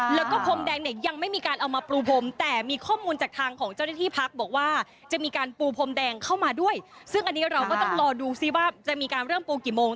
แล้วก็พรมแดงเนี่ยยังไม่มีการเอามาปูพรมแต่มีข้อมูลจากทางของเจ้าหน้าที่พักบอกว่าจะมีการปูพรมแดงเข้ามาด้วยซึ่งอันนี้เราก็ต้องรอดูซิว่าจะมีการเริ่มปูกี่โมง